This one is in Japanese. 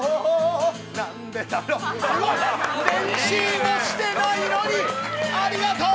練習もしてないのに、ありがとう